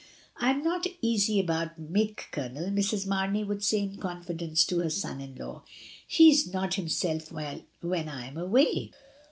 "I am not easy about Mick, Colonel," Mrs. Mamey would say in confidence to her son in law; "he is not himself when I am away."